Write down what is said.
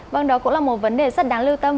vâng đó cũng là một vấn đề rất đáng lưu tâm